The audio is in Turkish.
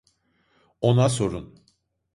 Ona sorun.